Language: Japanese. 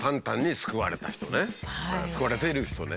救われている人ね。